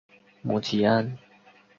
母吉安。